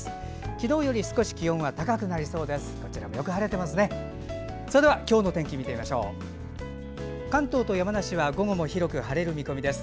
昨日より少し気温は高くなりそうです。